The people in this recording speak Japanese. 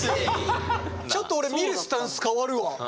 ちょっと俺見るスタンス変わるわ。